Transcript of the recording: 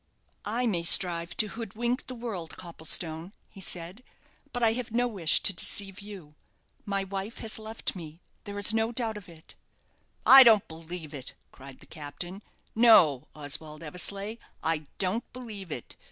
"I may strive to hoodwink the world, Copplestone," he said, "but I have no wish to deceive you. My wife has left me there is no doubt of it." "I don't believe it," cried the captain. "No, Oswald Eversleigh, I don't believe it.